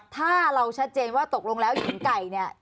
ถ้าเราชัดเจนว่าตกลงแล้วหญิงไก่เนี่ย